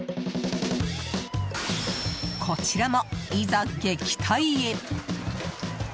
こちらも、いざ撃退へ。